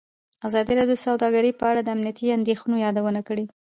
ازادي راډیو د سوداګري په اړه د امنیتي اندېښنو یادونه کړې.